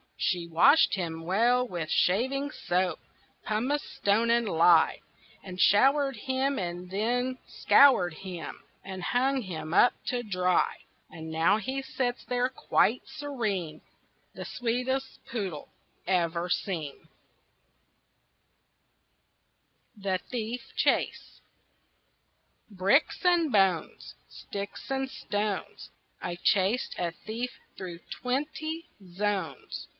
She washed him well with shaving soap, Pumice stone and lye, She showered him and she scoured him And she hung him up to dry. And now he sits there quite serene, The sweetest poodle ever seen. [Illustration: TRANSFORMATION] THE THIEF CHASE Bricks and bones! Sticks and stones! I chased a thief through twenty zones.